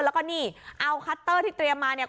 แล้วก็นี่เอาคัตเตอร์ที่เตรียมมาเนี่ย